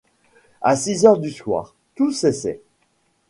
À six heures du soir, tout cessait.